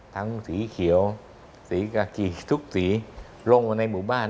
ทั้งสีเขียวสีกะกี่ทุกสีลงไปในหมู่บ้าน